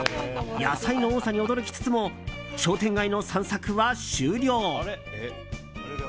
野菜の多さに驚きつつも商店街の散策は終了。